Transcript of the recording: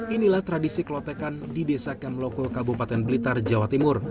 inilah tradisi klotekan di desa kemloko kabupaten blitar jawa timur